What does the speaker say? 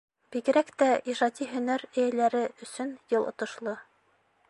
Бигерәк тә ижади һөнәр эйәләре өсөн йыл отошло.